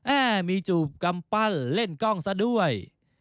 มีจูบกำปั้นเล่นกล้องซะด้วย